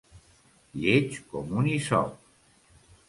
Lleig com un Isop.